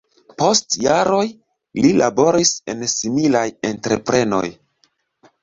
Post jaroj li laboris en similaj entreprenoj.